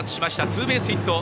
ツーベースヒット。